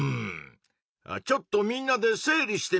ちょっとみんなで整理してみようか？